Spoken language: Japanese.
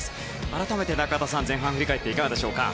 改めて中田さん前半振り返っていかがですか。